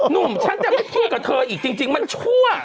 หนุ่มฉันจะไม่เชื่อกับเธออีกจริงมันชั่ว